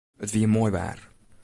It wie moai waar.